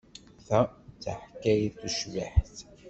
Ta d taḥkayt tucbiḥt.